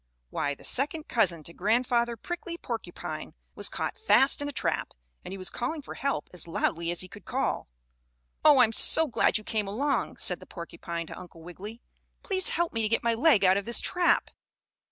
Why, the second cousin to Grandfather Prickly Porcupine was caught fast in a trap, and he was calling for help as loudly as he could call. "Oh, I'm so glad you came along," said the porcupine to Uncle Wiggily. "Please help me to get my leg out of this trap."